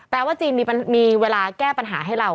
ว่าจีนมีเวลาแก้ปัญหาให้เรา